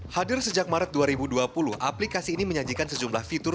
hadir sejak maret dua ribu dua puluh aplikasi ini menyajikan sejumlah fitur